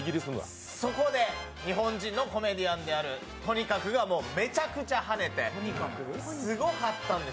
そこで日本人のコメディアンであるＴｏｎｉｋａｋｕがもうめちゃくちゃはねてすごかったんです。